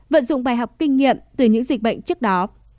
vận dụng bài học kinh nghiệm từ những dịch bệnh trước đó